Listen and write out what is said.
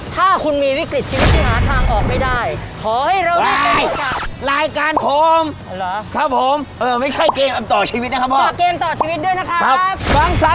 ทำไปกินให้หมดบ้าง